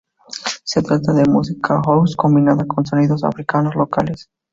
Se trata de música house combinada con sonidos africanos locales.